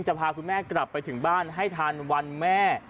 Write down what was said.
จะพาคุณแม่กลับไปถึงบ้านให้ทันวันแม่